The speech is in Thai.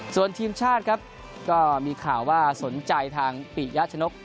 ส่วนทีมชาติครับก็มีข่าวว่าสนใจทางปิยะชนก